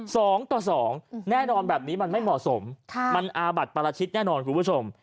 สองต่อสองแน่นอนแบบนี้มันไม่เหมาะสมค่ะมันอาบัติปราชิตแน่นอนคุณผู้ชม